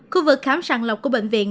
khu vực khám sàng lọc của bệnh viện